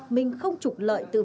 mình không trục lợi từ vận chuyển